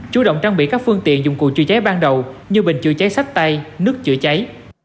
chủ động trang bị các phương tiện dụng cụ chữa cháy ban đầu như bình chữa cháy sách tay nước chữa cháy